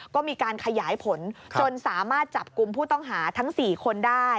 ก็มีการขยายผลจนสามารถจับกลุ่มผู้ต้องหาทั้ง๔คนได้